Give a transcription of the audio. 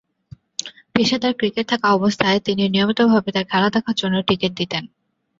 পেশাদার ক্রিকেটার থাকা অবস্থায় তিনি নিয়মিতভাবে তার খেলা দেখার জন্য টিকেট দিতেন।